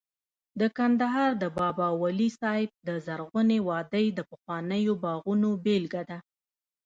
د کندهار د بابا ولی صاحب د زرغونې وادۍ د پخوانیو باغونو بېلګه ده